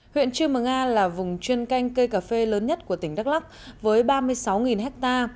huyện chư mờ nga là vùng chuyên canh cây cà phê lớn nhất của tỉnh đắk lắc với ba mươi sáu ha